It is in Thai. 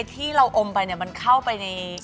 ที่เราอมไปมันเข้าไปใน